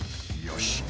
よし。